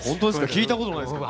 聞いたこともないですけど。